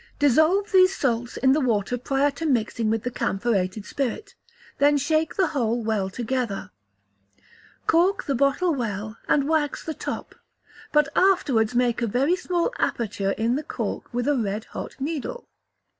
Dissolve these salts in the water prior to mixing with the camphorated spirit; then shake the whole well together. Cork the bottle well, and wax the top, but afterwards make a very small aperture in the cork with a red hot needle.